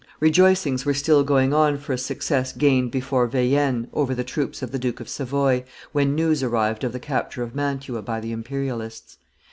Rejoicings were still going on for a success gained before Veillane over the troops of the Duke of Savoy, when news arrived of the capture of Mantua by the Imperialists.